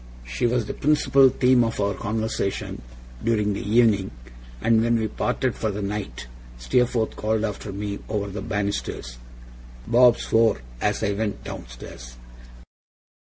She was the principal theme of our conversation during the evening: and when we parted for the night Steerforth called after me over the banisters, 'Bob swore!' as I went downstairs.